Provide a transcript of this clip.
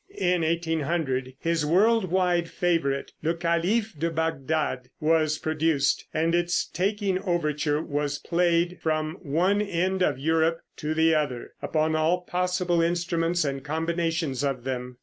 In 1800 his world wide favorite, "Le Caliph de Bagdad," was produced, and its taking overture was played from one end of Europe to the other, upon all possible instruments and combinations of them.